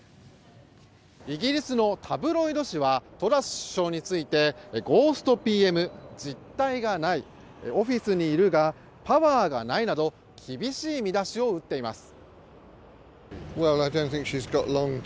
イギリスのタブロイド紙はトラス首相についてゴーストＰＭ実体がないオフィスにいるがパワーがないなど厳しい見出しを打っています。